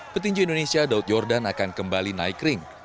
petinju indonesia daud yordan akan kembali naik ring